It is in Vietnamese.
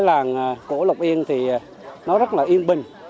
làng cổ lộc yên thì nó rất là yên bình